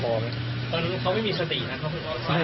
ตอนนี้เขาไม่มีสตินะครับเค้าคุณพ่อ